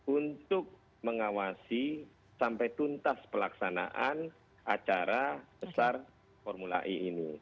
untuk mengawasi sampai tuntas pelaksanaan acara besar formula e ini